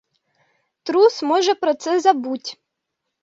Трус може про це забуть!